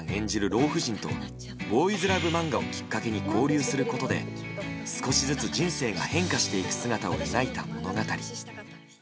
老婦人とボーイズラブ漫画をきっかけに交流することで少しずつ人生が変化していく姿を描いた物語。